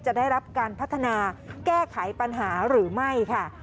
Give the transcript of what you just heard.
จะได้รับการพัฒนาแก้ไขปัญหาหรือไม่ค่ะ